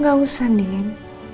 gak usah nien